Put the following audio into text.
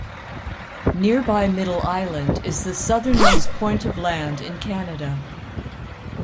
Nearby Middle Island is the southernmost point of land in Canada.